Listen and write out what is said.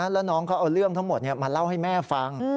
แล้วน้องเขาเอาเรื่องทั้งหมดมาเล่าให้แม่ฟัง